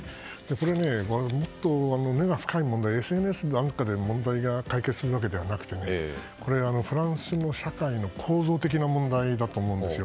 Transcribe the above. これは、もっと根が深いものでＳＮＳなんかで問題が解決するわけではなくてフランスの社会の構造的な問題だと思うんですよ。